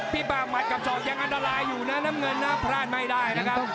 ปากหมัดกับศอกยังอันตรายอยู่นะน้ำเงินนะพลาดไม่ได้นะครับ